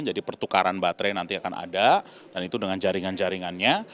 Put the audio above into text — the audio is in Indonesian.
jadi pertukaran baterai nanti akan ada dan itu dengan jaringan jaringannya